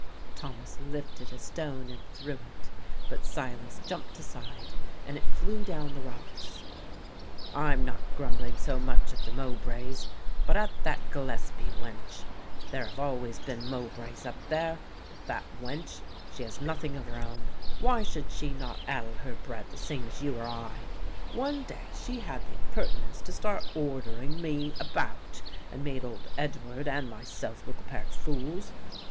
Thomas lifted a stone and threw it, but Silas jumped aside and it flew down the rocks. "I'm not grumbling so much at the Mowbrays, but at that Gillespie wench. There have always been Mowbrays up there; but that wench, she has nothing of her own, why should she not addle her bread the same as you or I. One day she had the impertinence to start ordering me about and made old Edward and myself look a pair of fools.